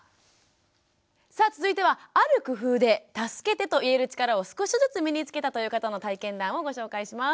さあ続いてはある工夫で助けてと言える力を少しずつ身につけたという方の体験談をご紹介します。